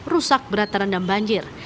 rusak berat terendam banjir